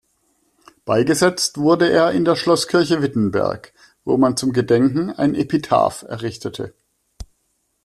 Beigesetzt wurde er in der Schlosskirche Wittenberg, wo man zum Gedenken ein Epitaph errichtete.